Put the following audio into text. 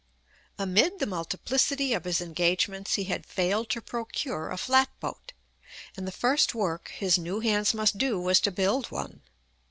Amid the multiplicity of his engagements he had failed to procure a flat boat, and the first work his new hands must do was to build one.